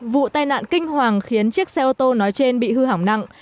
vụ tai nạn kinh hoàng khiến chiếc xe ô tô nói trên bị hư hỏng nặng